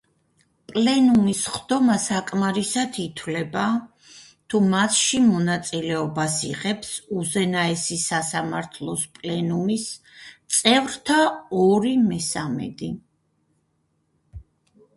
პლენუმის სხდომა საკმარისად ითვლება, თუ მასში მონაწილეობას იღებს უზენაესი სასამართლოს პლენუმის წევრთა ორი მესამედი.